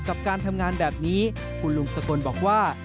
กับการทำงานแบบนี้คุณลุงสกลบอกว่า